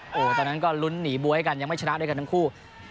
โอ้โหตอนนั้นก็ลุ้นหนีบ๊วยกันยังไม่ชนะด้วยกันทั้งคู่